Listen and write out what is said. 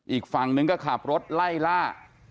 อีกฝั่งนึงก็ขับรถไล่ล่า